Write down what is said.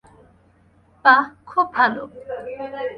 বাহ, খুব ভালো।